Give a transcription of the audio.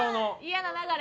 嫌な流れ。